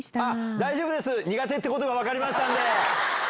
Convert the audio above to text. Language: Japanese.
大丈夫です、苦手ということが分かりましたんで。